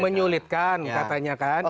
menyulitkan katanya kan